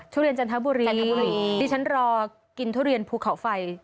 ทุเรียนจันทบุรีจันทบุรีดิฉันรอกินทุเรียนภูเขาไฟ